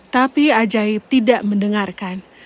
tapi ajaib tidak mendengarkan